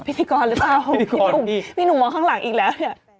พิธีกรหรือเปล่าพี่หนุ่มพี่หนุ่มมองข้างหลังอีกแล้วเนี่ย